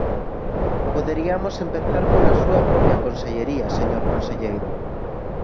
Poderiamos empezar pola súa propia Consellería, señor conselleiro.